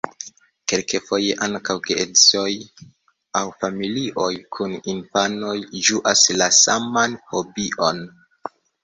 Kelkfoje ankaŭ geedzoj aŭ familioj kun infanoj ĝuas la saman hobion.